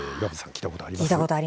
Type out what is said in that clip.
聞いたことありますね。